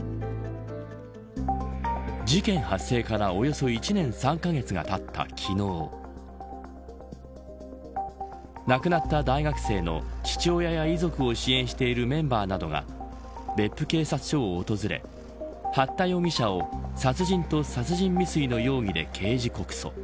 事件発生からおよそ１年３カ月がたった昨日亡くなった大学生の父親や遺族を支援しているメンバーなどが別府警察署を訪れ八田容疑者を殺人と殺人未遂の容疑で刑事告訴。